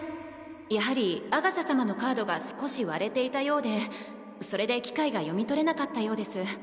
やはり阿笠様のカードが少し割れていたようでそれで機械が読み取れなかったようです。